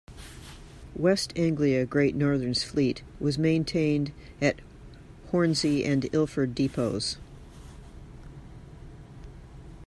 West Anglia Great Northern's fleet was maintained at Hornsey and Ilford depots.